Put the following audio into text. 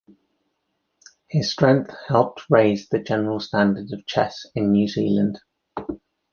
His strength helped raise the general standard of chess in New Zealand.